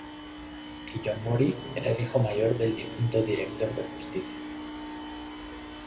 Kiyomori era el hijo mayor del difunto director de justicia.